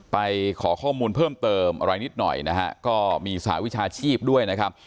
ไปขอข้อมูลเพิ่มเติมอะไรนิดหน่อยนะฮะก็มีสหวิชาชีพด้วยนะครับ